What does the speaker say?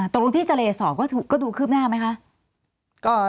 ตรงที่เจรสอบก็ดูคืบหน้าไหมคะ